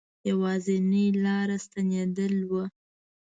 یوازنی لاره ستنېدل وه.